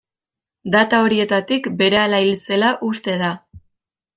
Data horietatik berehala hil zela uste da.